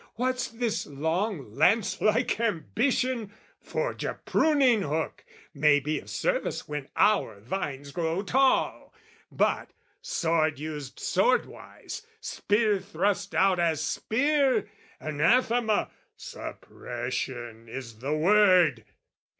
What's this long "Lance like ambition? Forge a pruning hook, "May be of service when our vines grow tall! "But sword used swordwise, spear thrust out as spear? "Anathema! Suppression is the word!"